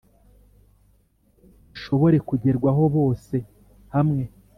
bishobore kugerwaho, bose hamwe